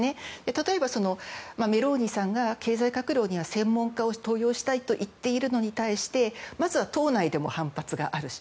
例えば、メローニさんが経済閣僚には専門家を登用したいと言っているのに対してまずは党内でも反発があるし。